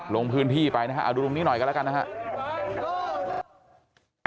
ลงพื้นที่ไปนะฮะเอาดูตรงนี้หน่อยกันแล้วกันนะครับ